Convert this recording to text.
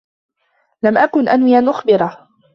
لم أكن أنوِ أن أخبره.